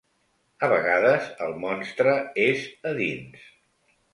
A vegades el monstre és a dins.